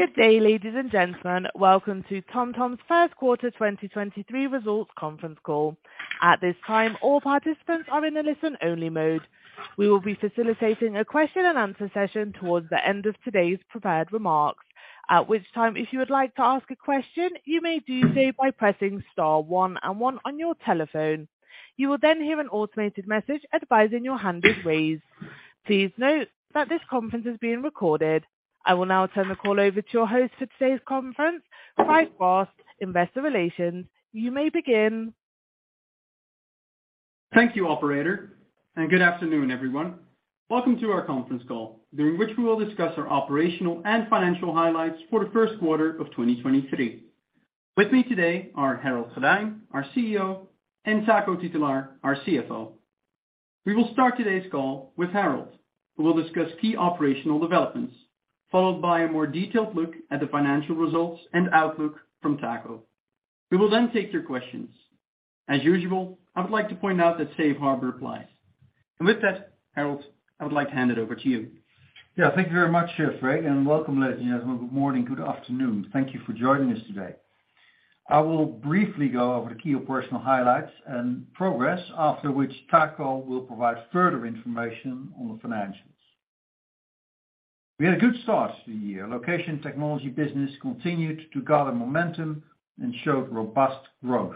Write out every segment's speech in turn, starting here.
Good day, ladies and gentlemen. Welcome to TomTom's 1st quarter 2023 results conference call. At this time, all participants are in a listen-only mode. We will be facilitating a question and answer session towards the end of today's prepared remarks. At which time, if you would like to ask a question, you may do so by pressing star 1 and 1 on your telephone. You will then hear an automated message advising your hand is raised. Please note that this conference is being recorded. I will now turn the call over to your host for today's conference, Freek Borst, Investor Relations. You may begin. Thank you, operator. Good afternoon, everyone. Welcome to our conference call, during which we will discuss our operational and financial highlights for the first quarter of 2023. With me today are Harold Goddijn, our CEO, and Taco Titulaer, our CFO. We will start today's call with Harold, who will discuss key operational developments, followed by a more detailed look at the financial results and outlook from Taco. We will then take your questions. As usual, I would like to point out that safe harbor applies. With that, Harold, I would like to hand it over to you. Thank you very much, Freek, and welcome, ladies and gentlemen. Good morning, good afternoon. Thank you for joining us today. I will briefly go over the key operational highlights and progress, after which Taco will provide further information on the financials. We had a good start to the year. Location technology business continued to gather momentum and showed robust growth.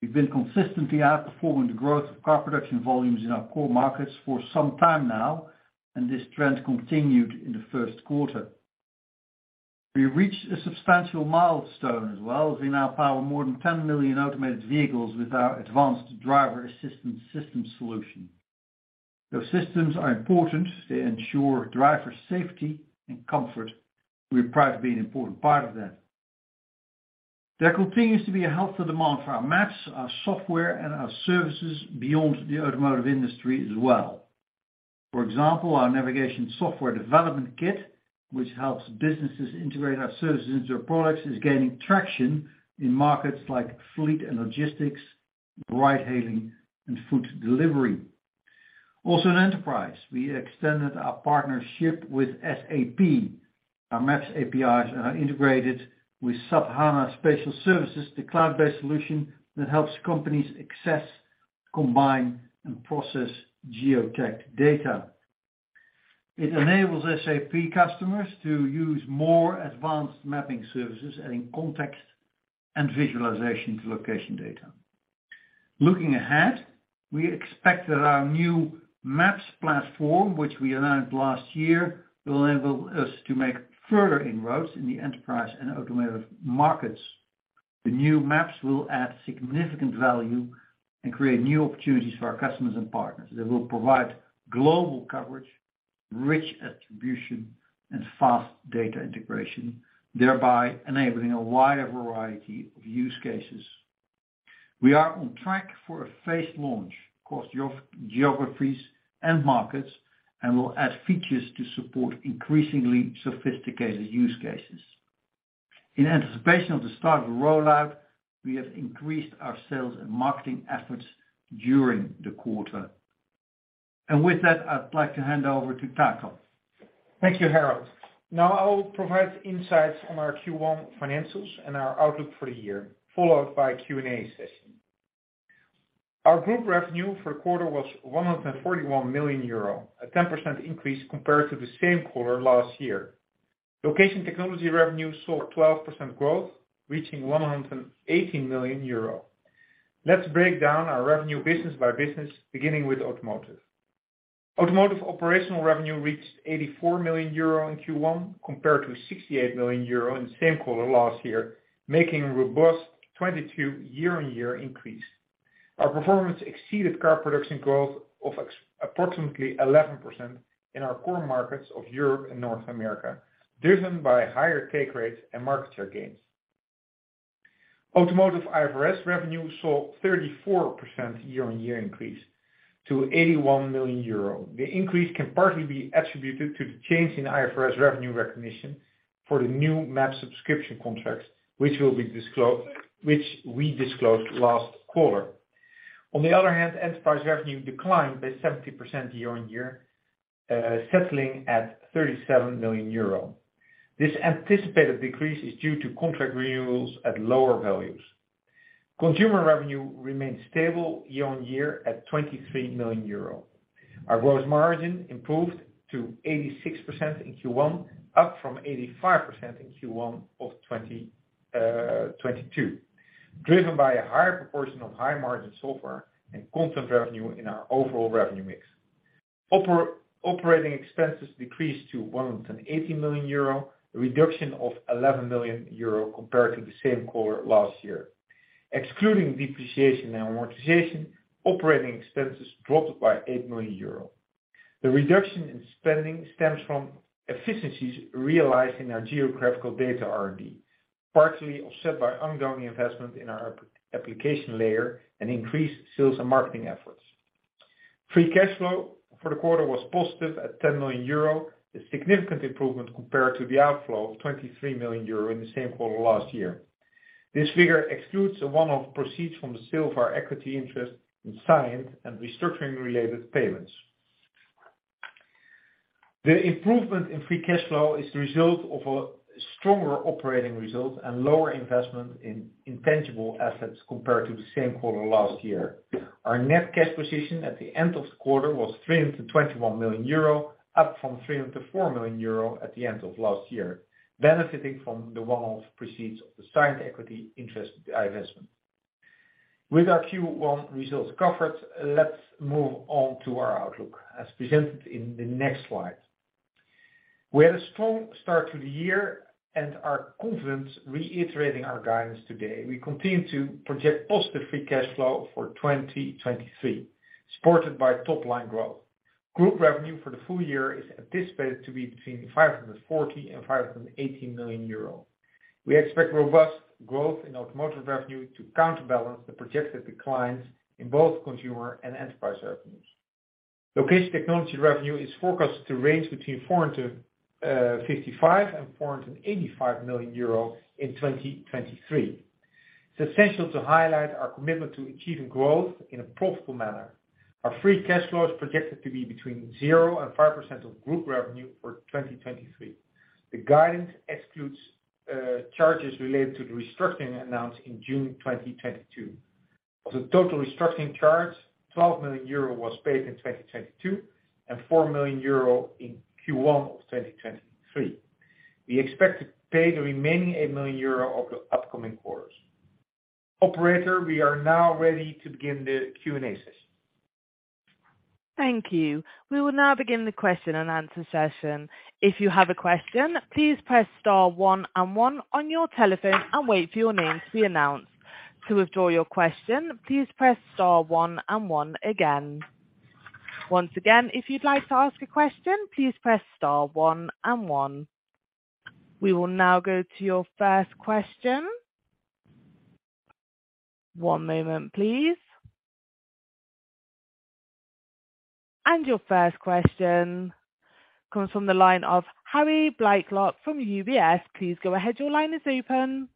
We've been consistently outperforming the growth of car production volumes in our core markets for some time now, and this trend continued in the first quarter. We reached a substantial milestone as well, as we now power more than 10 million automated vehicles with our advanced driver assistance systems solution. Those systems are important. They ensure driver safety and comfort. We're proud to be an important part of that. There continues to be a healthy demand for our maps, our software, and our services beyond the automotive industry as well. For example, our Navigation SDK, which helps businesses integrate our services into their products, is gaining traction in markets like fleet and logistics, ride hailing and food delivery. Also in enterprise, we extended our partnership with SAP. Our Maps APIs are integrated with SAP HANA Spatial Services, the cloud-based solution that helps companies access, combine, and process geotagged data. It enables SAP customers to use more advanced mapping services, adding context and visualization to location data. Looking ahead, we expect that our new maps platform, which we announced last year, will enable us to make further inroads in the enterprise and automotive markets. The new maps will add significant value and create new opportunities for our customers and partners. They will provide global coverage, rich attribution, and fast data integration, thereby enabling a wider variety of use cases. We are on track for a phased launch across geographies and markets and will add features to support increasingly sophisticated use cases. In anticipation of the start of the rollout, we have increased our sales and marketing efforts during the quarter. With that, I'd like to hand over to Taco. Thank you, Harold. I will provide insights on our Q1 financials and our outlook for the year, followed by a Q&A session. Our group revenue for the quarter was 141 million euro, a 10% increase compared to the same quarter last year. Location technology revenue saw 12% growth, reaching 180 million euro. Let's break down our revenue business by business, beginning with automotive. Automotive operational revenue reached 84 million euro in Q1 compared to 68 million euro in the same quarter last year, making a robust 22% year-on-year increase. Our performance exceeded car production growth of approximately 11% in our core markets of Europe and North America, driven by higher take rates and market share gains. Automotive IFRS revenue saw 34% year-on-year increase to 81 million euro. The increase can partly be attributed to the change in IFRS revenue recognition for the new map subscription contracts, which we disclosed last quarter. Enterprise revenue declined by 70% year-on-year, settling at 37 million euro. This anticipated decrease is due to contract renewals at lower values. Consumer revenue remained stable year-on-year at 23 million euro. Our gross margin improved to 86% in Q1, up from 85% in Q1 of 2022, driven by a higher proportion of high-margin software and content revenue in our overall revenue mix. Operating expenses decreased to 180 million euro, a reduction of 11 million euro compared to the same quarter last year. Excluding depreciation and amortization, operating expenses dropped by 8 million euro. The reduction in spending stems from efficiencies realized in our geographical data R&D, partially offset by ongoing investment in our app-application layer and increased sales and marketing efforts. Free cash flow for the quarter was positive at 10 million euro, a significant improvement compared to the outflow of 23 million euro in the same quarter last year. This figure excludes a one-off proceeds from the sale of our equity interest in Cyient and restructuring-related payments. The improvement in free cash flow is the result of a stronger operating result and lower investment in intangible assets compared to the same quarter last year. Our net cash position at the end of the quarter was 321 million euro, up from 304 million euro at the end of last year, benefiting from the one-off proceeds of the divested equity interest investment. With our Q1 results covered, let's move on to our outlook, as presented in the next slide. We had a strong start to the year and are confident reiterating our guidance today. We continue to project positive free cash flow for 2023, supported by top-line growth. Group revenue for the full year is anticipated to be between 540 million euro and 580 million euros. We expect robust growth in automotive revenue to counterbalance the projected declines in both consumer and enterprise revenues. Location technology revenue is forecasted to range between 455 million and 485 million euro in 2023. It's essential to highlight our commitment to achieving growth in a profitable manner. Our free cash flow is projected to be between 0% and 5% of group revenue for 2023. The guidance excludes charges related to the restructuring announced in June 2022. Of the total restructuring charge, 12 million euro was paid in 2022, and 4 million euro in Q1 of 2023. We expect to pay the remaining 8 million euro over upcoming quarters. Operator, we are now ready to begin the Q&A session. Thank you. We will now begin the question-and-answer session. If you have a question, please press star one and one on your telephone and wait for your name to be announced. To withdraw your question, please press star one and one again. Once again, if you'd like to ask a question, please press star one and one. We will now go to your first question. One moment, please. Your first question comes from the line of Harry Blaiklock from UBS. Please go ahead. Your line is open.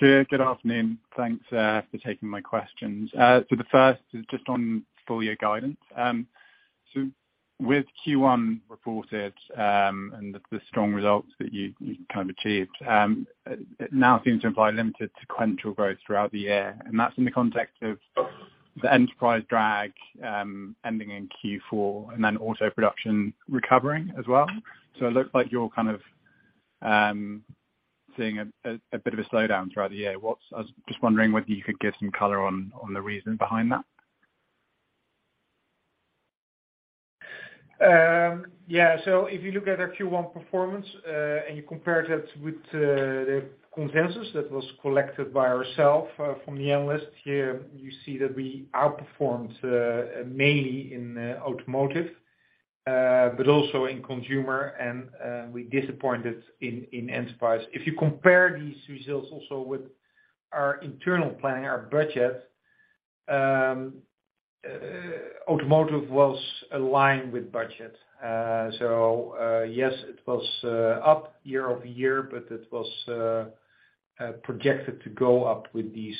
Yeah. Good afternoon. Thanks for taking my questions. The first is just on full year guidance. With Q1 reported, and the strong results that you kind of achieved, it now seems to imply limited sequential growth throughout the year, and that's in the context of the enterprise drag ending in Q4 and then auto production recovering as well. It looks like you're kind of seeing a bit of a slowdown throughout the year. I was just wondering whether you could give some color on the reason behind that. If you look at our Q1 performance, and you compare that with the consensus that was collected by ourself from the analysts, you see that we outperformed mainly in automotive, but also in consumer and we disappointed in enterprise. If you compare these results also with our internal planning, our budget, automotive was aligned with budget. Yes, it was up year-over-year, but it was projected to go up with these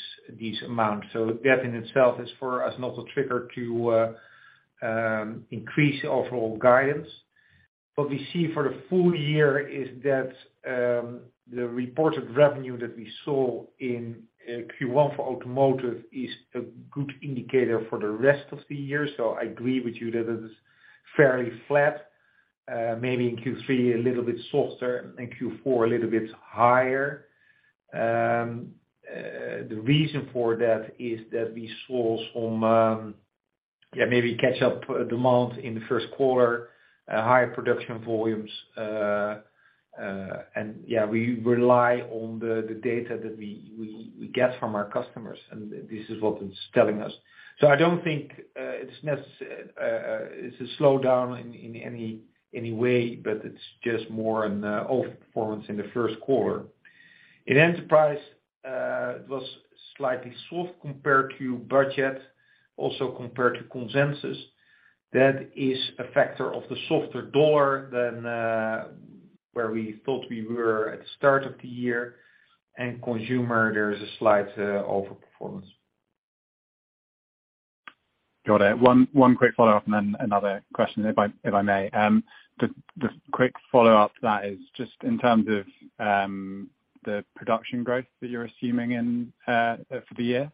amounts. That in itself is for us not a trigger to increase overall guidance. What we see for the full year is that the reported revenue that we saw in Q1 for automotive is a good indicator for the rest of the year. I agree with you that it is fairly flat. Maybe in Q3 a little bit softer, in Q4 a little bit higher. The reason for that is that we saw some, yeah, maybe catch-up demand in the first quarter, higher production volumes. Yeah, we rely on the data that we get from our customers, and this is what it's telling us. I don't think it's a slowdown in any way, but it's just more an overperformance in the first quarter. In enterprise, it was slightly soft compared to budget, also compared to consensus. That is a factor of the softer dollar than where we thought we were at the start of the year. Consumer, there is a slight overperformance. Got it. One quick follow-up and then another question if I may. The quick follow-up to that is just in terms of the production growth that you're assuming for the year,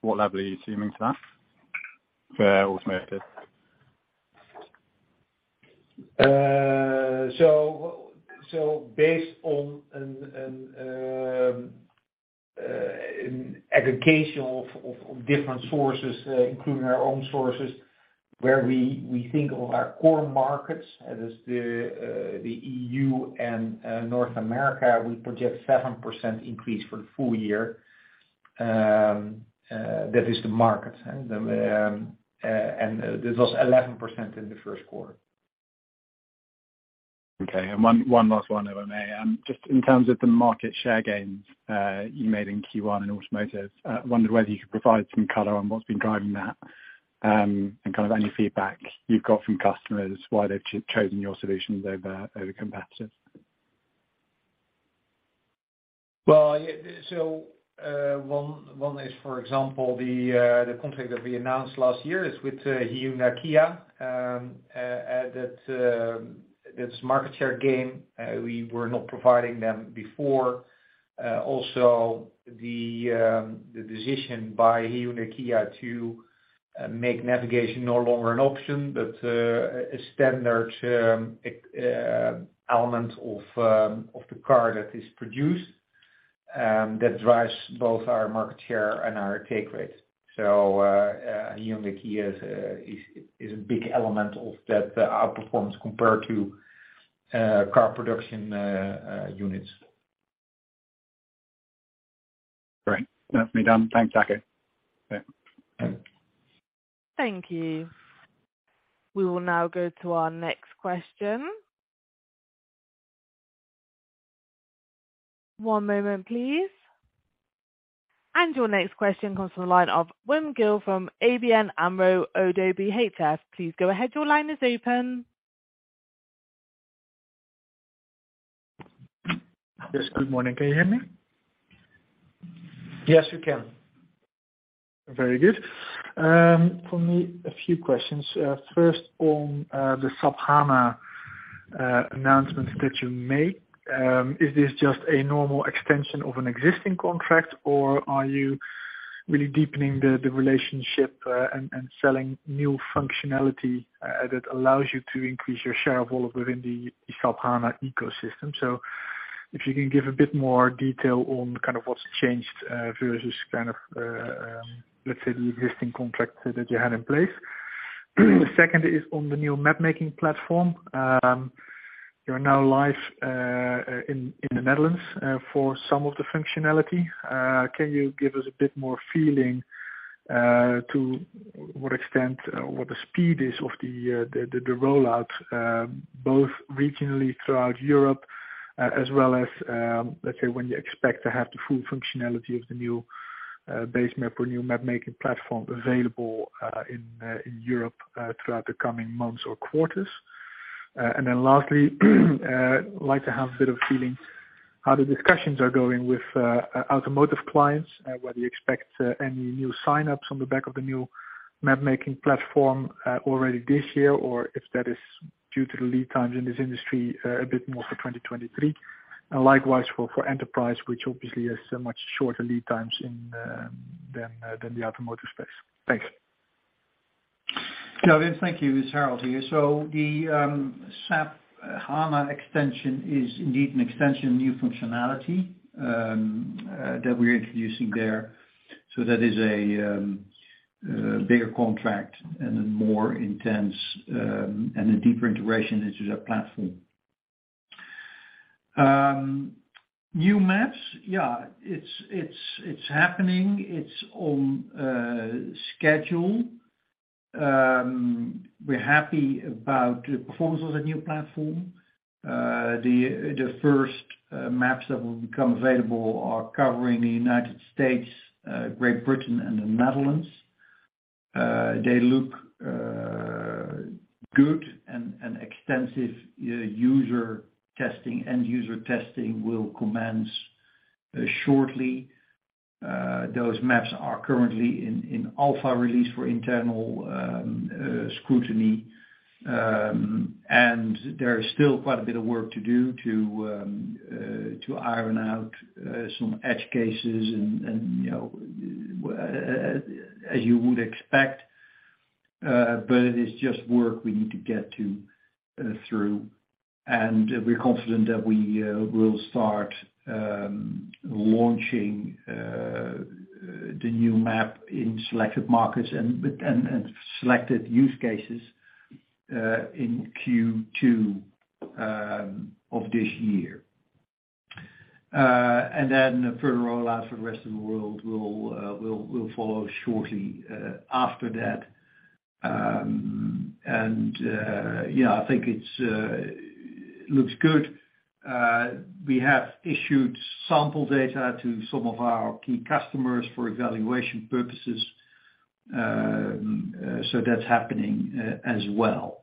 what level are you assuming for that for automotive? Based on an aggregation of different sources, including our own sources, where we think of our core markets as the EU and North America, we project 7% increase for the full year. That is the market, right? And this was 11% in the first quarter. Okay. One last one, if I may. Just in terms of the market share gains, you made in Q1 in automotive, I wondered whether you could provide some color on what's been driving that, and kind of any feedback you've got from customers, why they've chosen your solutions over competitors. One is, for example, the contract that we announced last year is with Hyundai Kia. That's market share gain. We were not providing them before. Also the decision by Hyundai Kia to make navigation no longer an option, but a standard element of the car that is produced, that drives both our market share and our take rate. Hyundai Kia is a big element of that outperformance compared to car production units. Great. That's me done. Thanks, Taco. Yeah. Thank you. We will now go to our next question. One moment, please. Your next question comes from the line of Wim Gille from ABN AMRO – ODDO BHF. Please go ahead. Your line is open. Yes. Good morning. Can you hear me? Yes, we can. Very good. From me, a few questions. First on the SAP HANA announcement that you made. Is this just a normal extension of an existing contract, or are you really deepening the relationship and selling new functionality that allows you to increase your share of wallet within the SAP HANA ecosystem? If you can give a bit more detail on kind of what's changed versus kind of, let's say the existing contract that you had in place. The second is on the new mapmaking platform. You are now live in the Netherlands for some of the functionality. Can you give us a bit more feeling to what extent or what the speed is of the rollout, both regionally throughout Europe as well as, let's say, when you expect to have the full functionality of the new base map or new mapmaking platform available in Europe throughout the coming months or quarters? Then lastly, like to have a bit of a feeling how the discussions are going with automotive clients, whether you expect any new sign-ups on the back of the new mapmaking platform already this year or if that is due to the lead times in this industry, a bit more for 2023. Likewise for enterprise, which obviously has much shorter lead times in than the automotive space. Thanks. Thank you. It's Harold here. The SAP HANA extension is indeed an extension, new functionality that we're introducing there. That is a bigger contract and a more intense and a deeper integration into their platform. New maps. Yeah. It's happening. It's on schedule. We're happy about the performance of the new platform. The first maps that will become available are covering the United States, Great Britain and the Netherlands. They look good and extensive user testing, end user testing will commence shortly. Those maps are currently in alpha release for internal scrutiny. There is still quite a bit of work to do to iron out some edge cases and, you know, as you would expect. It is just work we need to get through. We're confident that we will start launching the new map in selected markets and selected use cases in Q2 of this year. A further rollout for the rest of the world will follow shortly after that. Yeah, I think it looks good. We have issued sample data to some of our key customers for evaluation purposes, so that's happening as well.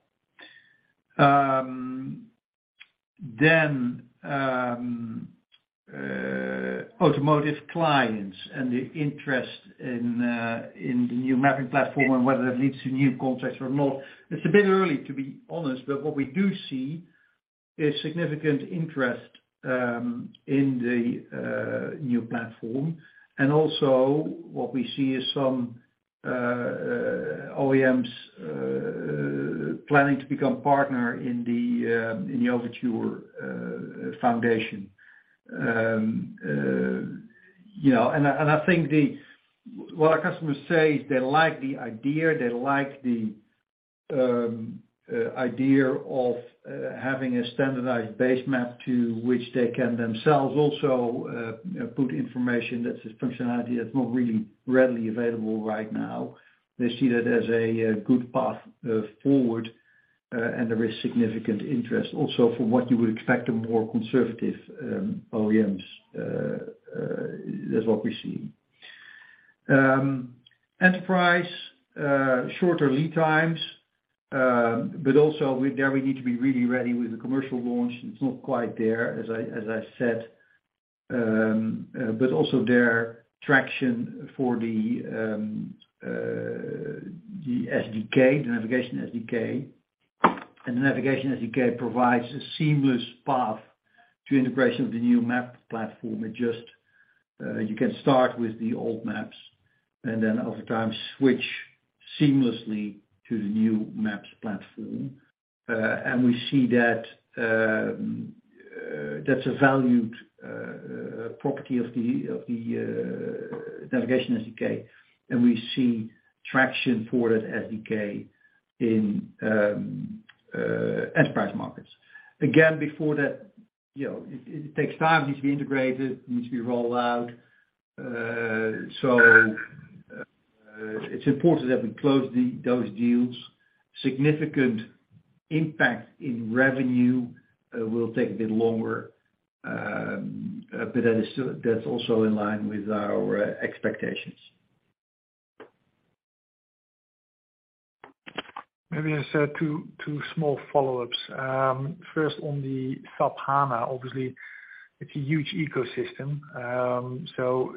Automotive clients and the interest in the new mapping platform and whether that leads to new contracts or not. It's a bit early to be honest, but what we do see is significant interest in the new platform. Also what we see is some OEMs planning to become partner in the Overture Foundation. You know, what our customers say is they like the idea, they like the idea of having a standardized base map to which they can themselves also put information. That's a functionality that's not really readily available right now. They see that as a good path forward, and there is significant interest also from what you would expect, a more conservative OEMs, is what we see. Enterprise, shorter lead times, but also with there we need to be really ready with the commercial launch. It's not quite there as I said, but also their traction for the SDK, the Navigation SDK. The Navigation SDK provides a seamless path to integration of the new map platform. It just, you can start with the old maps and then over time switch seamlessly to the new maps platform. We see that that's a valued property of the Navigation SDK, and we see traction for that SDK in enterprise markets. Again, before that, you know, it takes time. It needs to be integrated, it needs to be rolled out. It's important that we close those deals. Significant impact in revenue will take a bit longer, but that's also in line with our expectations. Maybe just 2 small follow-ups. First on the SAP HANA, obviously, it's a huge ecosystem.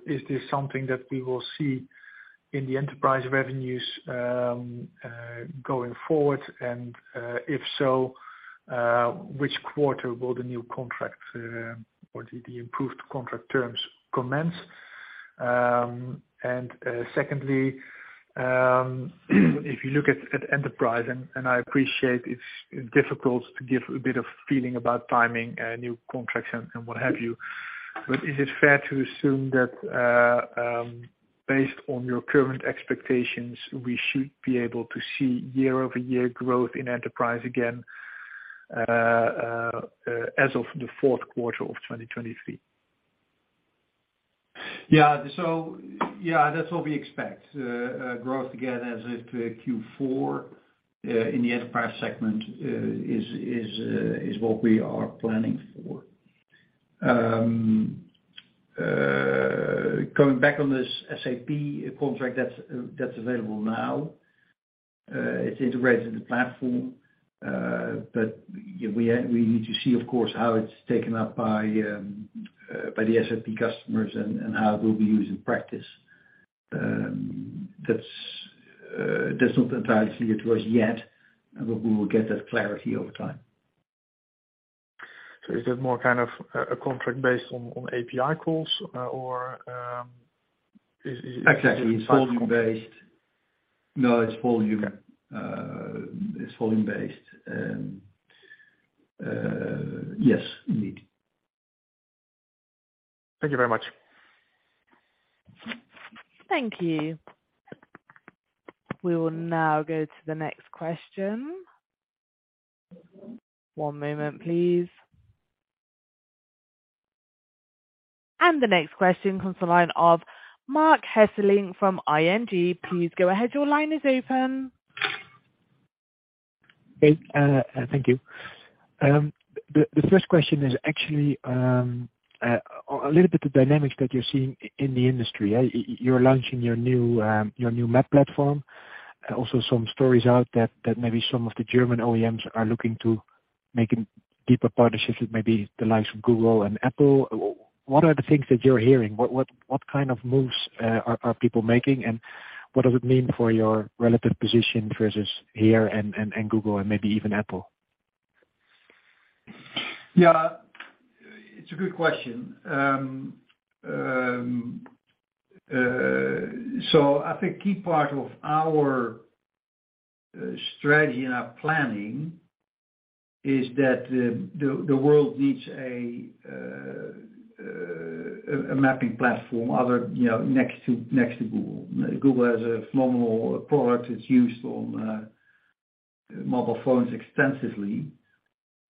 Is this something that we will see in the enterprise revenues going forward? If so, which quarter will the new contracts or the improved contract terms commence? Secondly, if you look at enterprise, and I appreciate it's difficult to give a bit of feeling about timing, new contracts and what have you. Is it fair to assume that based on your current expectations, we should be able to see year-over-year growth in enterprise again as of the fourth quarter of 2023? Yeah. Yeah, that's what we expect, growth again as of Q4 in the enterprise segment is what we are planning for. Going back on this SAP contract that's available now, it's integrated in the platform, but we need to see, of course, how it's taken up by the SAP customers and how it will be used in practice. That's not entirely clear to us yet, but we will get that clarity over time. Is it more kind of a contract based on API calls, or, is it? Exactly. volume based? No, it's volume. Okay. It's volume based. Yes, indeed. Thank you very much. Thank you. We will now go to the next question. One moment, please. The next question comes to the line of Marc Hesselink from ING. Please go ahead. Your line is open. Great. Thank you. The first question is actually a little bit the dynamics that you're seeing in the industry. You're launching your new map platform. Also some stories out that maybe some of the German OEMs are looking to making deeper partnerships with maybe the likes of Google and Apple. What are the things that you're hearing? What kind of moves are people making, and what does it mean for your relative position versus HERE and Google and maybe even Apple? Yeah. It's a good question. I think key part of our strategy and our planning is that the world needs a mapping platform other, you know, next to, next to Google. Google has a phenomenal product. It's used on mobile phones extensively,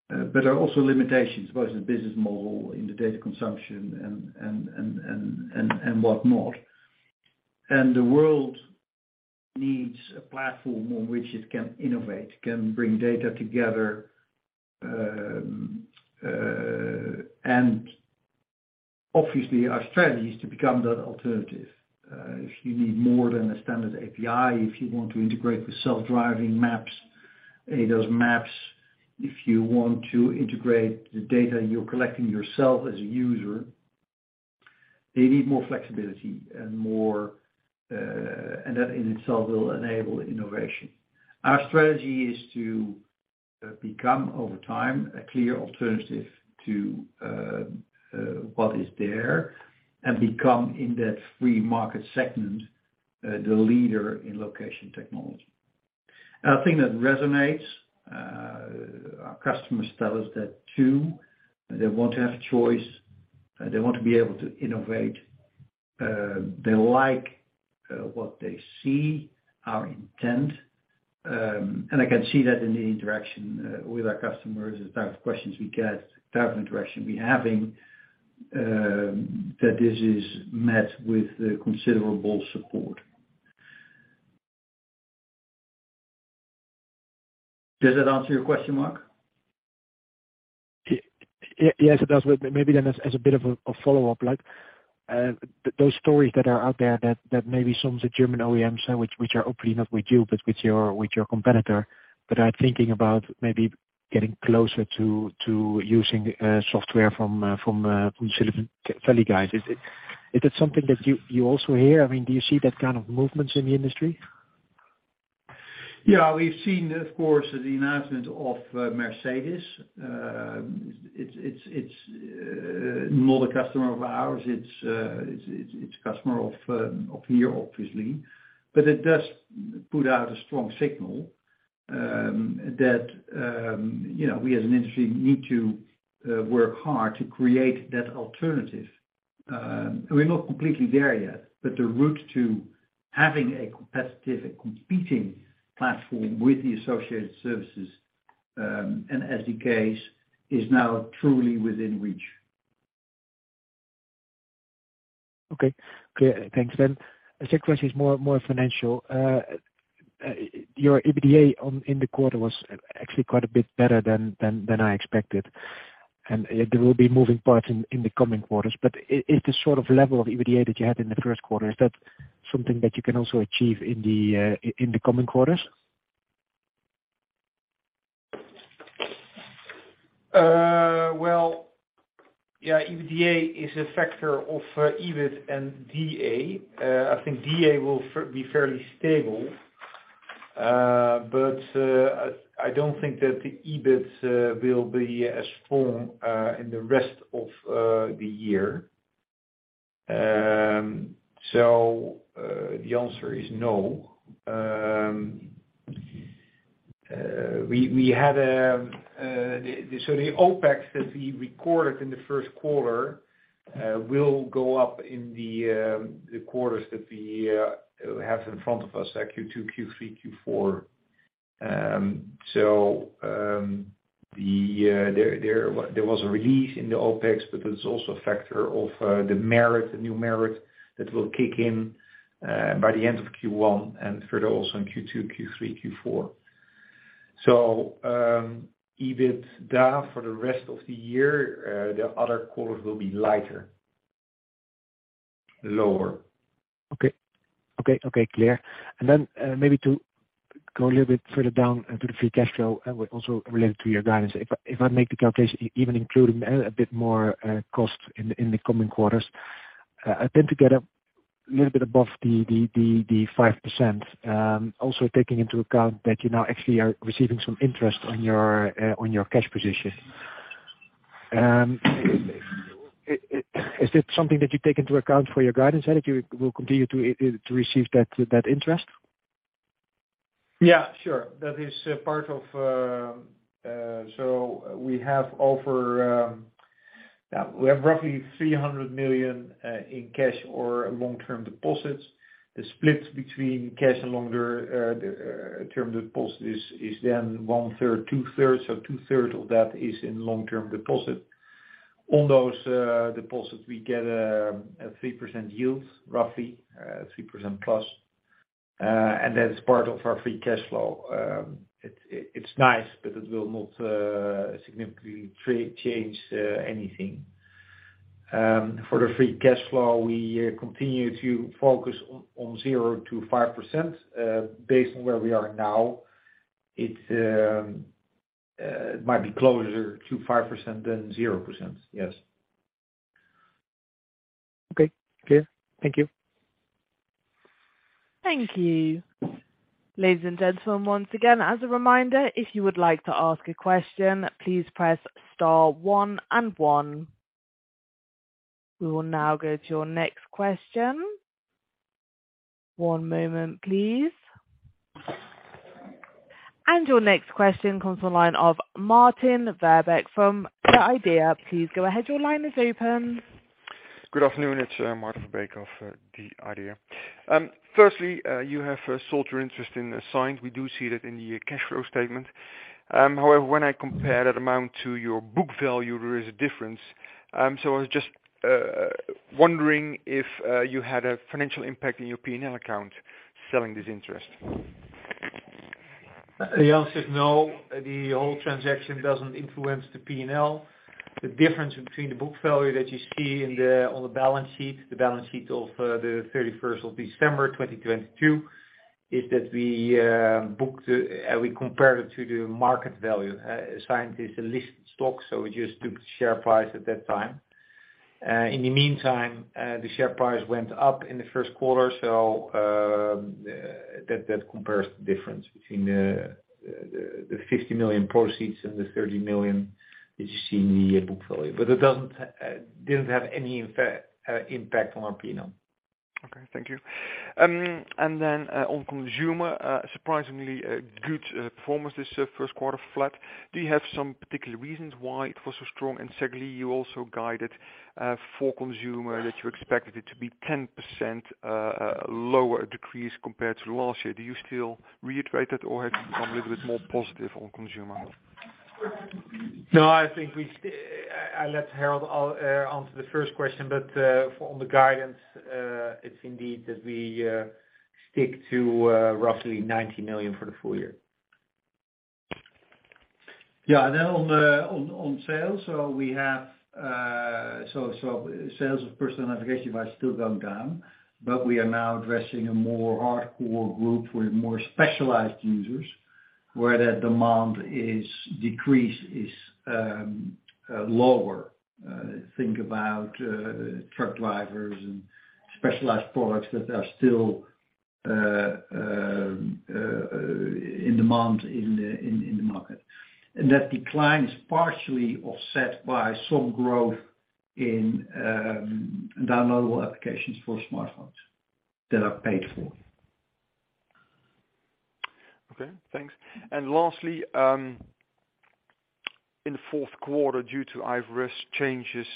there are also limitations, both in the business model, in the data consumption and whatnot. The world needs a platform on which it can innovate, can bring data together. Obviously our strategy is to become that alternative. If you need more than a standard API, if you want to integrate with self-driving maps, it does maps. If you want to integrate the data you're collecting yourself as a user, they need more flexibility and more. That in itself will enable innovation. Our strategy is to become, over time, a clear alternative to what is there and become in that free market segment, the leader in location technology. I think that resonates. Our customers tell us that too. They want to have choice. They want to be able to innovate. They like what they see, our intent. I can see that in the interaction with our customers, the type of questions we get, the type of interaction we're having, that this is met with considerable support. Does that answer your question, Marc? Yes, it does. Maybe then as a bit of a follow-up, like those stories that are out there that maybe some of the German OEMs, which are hopefully not with you, but with your competitor, but are thinking about maybe getting closer to using software from Silicon Valley guys. Is it something that you also hear? I mean, do you see that kind of movements in the industry? Yeah, we've seen, of course, the announcement of Mercedes. It's not a customer of ours. It's a customer of HERE, obviously. It does put out a strong signal that, you know, we as an industry need to work hard to create that alternative. We're not completely there yet, but the route to having a competitive and competing platform with the associated services and SDKs is now truly within reach. Okay. Okay, thanks then. The second question is more, more financial. Your EBITDA in the quarter was actually quite a bit better than I expected. There will be moving parts in the coming quarters, but is this sort of level of EBITDA that you had in the first quarter, is that something that you can also achieve in the coming quarters? Well, EBITDA is a factor of EBIT and DA. I think DA will be fairly stable. I don't think that the EBIT will be as strong in the rest of the year. The answer is no. We had the OPEX that we recorded in the first quarter will go up in the quarters that we have in front of us, Q2, Q3, Q4. There was a release in the OPEX, but there's also a factor of the merit, the new merit that will kick in by the end of Q1, and further also in Q2, Q3, Q4. EBITDA for the rest of the year, the other quarters will be lighter, lower. Okay. Okay, okay, clear. Maybe to go a little bit further down into the free cash flow, also related to your guidance. If I, if I make the calculation, even including a bit more cost in the coming quarters, I tend to get a little bit above the 5%. Also taking into account that you now actually are receiving some interest on your cash position. Is this something that you take into account for your guidance, that if you will continue to receive that interest? Yeah, sure. That is a part of, we have over, we have roughly 300 million in cash or long-term deposits. The split between cash and longer term deposits is one-third, two-thirds, two-third of that is in long-term deposit. On those deposits, we get a 3% yield, roughly, 3% plus. That's part of our free cash flow. It's nice, it will not significantly change anything. For the free cash flow, we continue to focus on 0%-5%. Based on where we are now, it might be closer to 5% than 0%. Yes. Okay. Clear. Thank you. Thank you. Ladies and gentlemen, once again, as a reminder, if you would like to ask a question, please press star one and one. We will now go to your next question. One moment, please. Your next question comes from the line of Martin Verbeek from the IDEA!. Please go ahead. Your line is open. Good afternoon. It's Martin Verbeek of the IDEA!. Firstly, you have sold your interest in Cyient. We do see that in the cash flow statement. However, when I compare that amount to your book value, there is a difference. I was just wondering if you had a financial impact in your P&L account selling this interest. The answer is no. The whole transaction doesn't influence the P&L. The difference between the book value that you see on the balance sheet, the balance sheet of the 31st of December 2022, is that we booked we compared it to the market value. Cyient is a listed stock, so we just took the share price at that time. In the meantime, the share price went up in the 1st quarter. That compares the difference between the 50 million proceeds and the 30 million that you see in the year book value. It didn't have any impact on our P&L. Okay, thank you. On consumer, surprisingly, a good performance this first quarter flat. Do you have some particular reasons why it was so strong? Secondly, you also guided for consumer that you expected it to be 10% lower decrease compared to last year. Do you still reiterate that, or have you become a little bit more positive on consumer? No, I think I let Harold answer the first question, but, for on the guidance, it's indeed that we stick to roughly 90 million for the full year. Yeah. On sales of personal navigation are still going down, but we are now addressing a more hardcore group with more specialized users, where the demand is decreased, is lower. Think about truck drivers and specialized products that are still in demand in the market. That decline is partially offset by some growth in downloadable applications for smartphones that are paid for. Okay, thanks. Lastly, in the fourth quarter, due to IFRS changes,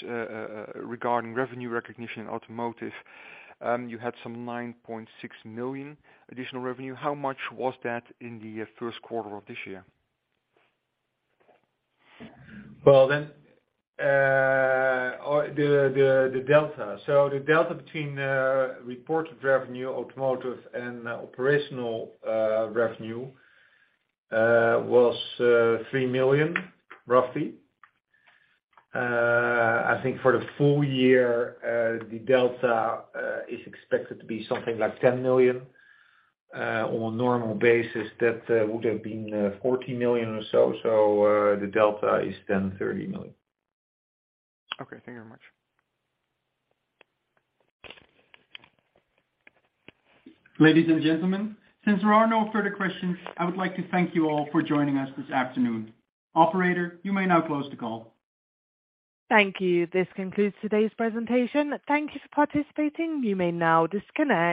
regarding revenue recognition in automotive, you had some 9.6 million additional revenue. How much was that in the first quarter of this year? Well, or the delta. The delta between reported revenue, automotive and operational revenue, was EUR 3 million, roughly. I think for the full year, the delta is expected to be something like 10 million. On a normal basis, that would have been 14 million or so. The delta is 30 million. Okay, thank you very much. Ladies and gentlemen, since there are no further questions, I would like to thank you all for joining us this afternoon. Operator, you may now close the call. Thank you. This concludes today's presentation. Thank you for participating. You may now disconnect.